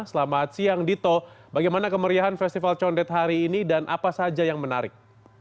selamat siang dito bagaimana kemeriahan festival condet hari ini dan apa saja yang menarik